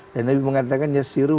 dan nabi mengatakan